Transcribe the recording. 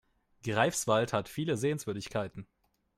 Greifswald hat viele Sehenswürdigkeiten